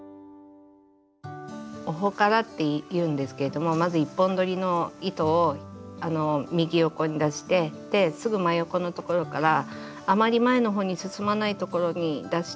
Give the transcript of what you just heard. オホカラっていうんですけどもまず１本どりの糸を右横に出してですぐ真横のところからあまり前の方に進まないところに出して糸をかけて。